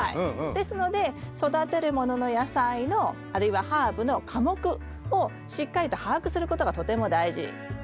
ですので育てるものの野菜のあるいはハーブの科目をしっかりと把握することがとても大事。